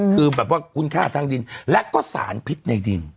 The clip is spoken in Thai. คือแบบว่าคุณค่าทางดินและก็สารพิษในดิน